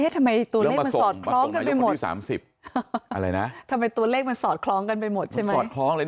ตัวเลขมันสอดคล้องไปหมดทำไมตัวเลขมันสอดคล้องไปหมดแสดง